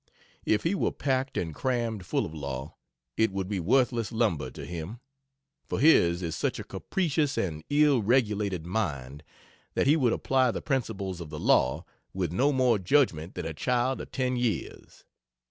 If he were packed and crammed full of law, it would be worthless lumber to him, for his is such a capricious and ill regulated mind that he would apply the principles of the law with no more judgment than a child of ten years.